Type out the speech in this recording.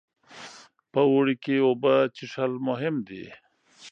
په اوړي کې اوبه څښل مهم دي.